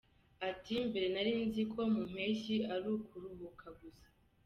Ati “Mbere nari nzi ko mu mpeshyi ari ukuruhuka gusa.